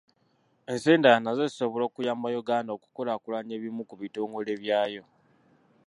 Ensi endala nazo zisobola okuyamba Uganda okukulaakulanya ebimu ku bitongole byayo.